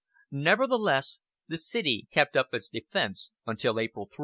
Nevertheless the city kept up its defense until April 3.